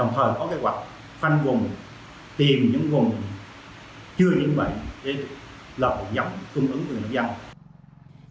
đồng thời có kế hoạch phăn vùng tìm những vùng chưa những bệnh để lọ giống cung ứng người nông dân